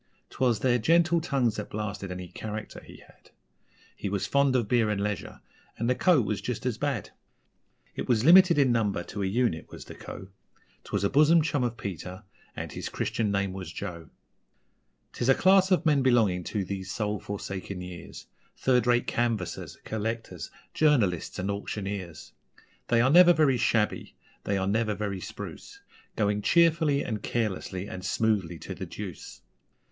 'Twas their gentle tongues that blasted any 'character' he had He was fond of beer and leisure and the Co. was just as bad. It was limited in number to a unit, was the Co. 'Twas a bosom chum of Peter and his Christian name was Joe. 'Tis a class of men belonging to these soul forsaken years: Third rate canvassers, collectors, journalists and auctioneers. They are never very shabby, they are never very spruce Going cheerfully and carelessly and smoothly to the deuce.